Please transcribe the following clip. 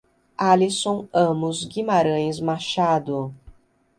Alysson Amos Guimaraes Machado